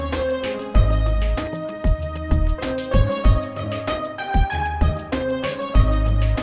gak panggil pepe